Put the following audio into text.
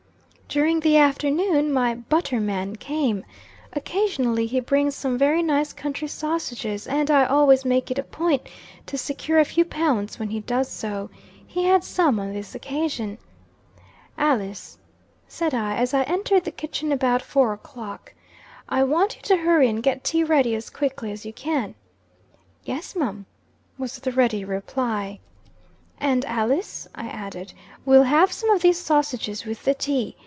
During the afternoon, my "butter man" came. Occasionally he brings some very nice country sausages, and I always make it a point to secure a few pounds when he does so. He had some on this occasion. "Alice," said I, as I entered the kitchen about four o'clock, "I want you to hurry and get tea ready as quickly as you can." "Yes, mum," was the ready reply. "And Alice," I added, "we'll have some of these sausages with the tea.